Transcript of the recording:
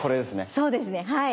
そうですねはい。